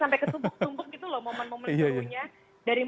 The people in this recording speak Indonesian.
sampai ketumpuk tumpuk gitu loh momen momen dulunya